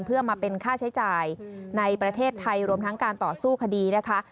เพื่อมาเป็นค่าใช้จ่ายในประเทศไทยรวมทั้งการต่อสู้คดีนะคะ